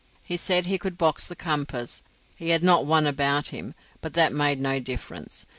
He said he could box the compass; he had not one about him, but that made no difference.